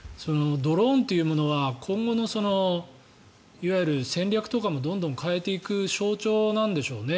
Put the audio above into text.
ドローンというものは今後のいわゆる戦略とかもどんどん変えていく象徴なんでしょうね。